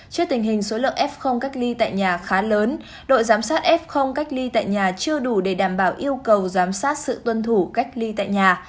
trước tình hình số lượng f cách ly tại nhà khá lớn đội giám sát f cách ly tại nhà chưa đủ để đảm bảo yêu cầu giám sát sự tuân thủ cách ly tại nhà